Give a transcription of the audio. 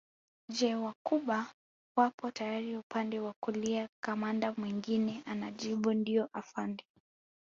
Je Wacuba wapo tayari upande wa kulia kamanda mwingine anajibu ndio afande